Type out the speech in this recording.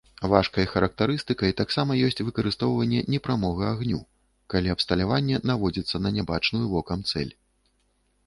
Важкай характарыстыкай таксама ёсць выкарыстоўванне непрамога агню, калі абсталяванне наводзіцца на нябачную вокам цэль.